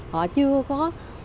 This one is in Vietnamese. họ chưa có